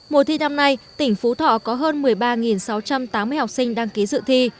mùa thi năm nay tỉnh phú thọ có hơn một mươi ba sáu trăm tám mươi học sinh đăng ký dự thi